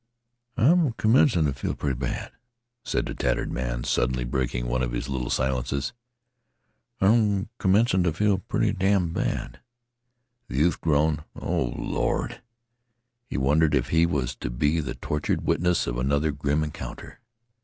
"I'm commencin' t' feel pretty bad," said the tattered man, suddenly breaking one of his little silences. "I'm commencin' t' feel pretty damn' bad." The youth groaned. "O Lord!" He wondered if he was to be the tortured witness of another grim encounter.